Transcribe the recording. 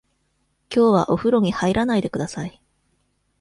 きょうはおふろに入らないでください。